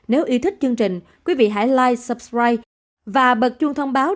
nếu yêu thích chương trình quý vị hãy like subscribe và bật chuông thông báo